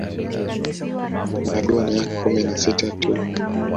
Akiwa na miaka kumi na sita tu